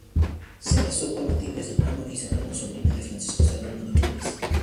Se casó con Matilde Serrano y Serrano, sobrina de Francisco Serrano Domínguez.